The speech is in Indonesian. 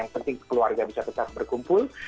yang penting keluarga bisa tetap berkumpul